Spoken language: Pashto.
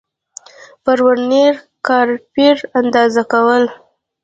پر ورنیر کالیپر اندازه کول